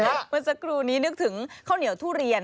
เมื่อสักครู่นี้นึกถึงข้าวเหนียวทุเรียน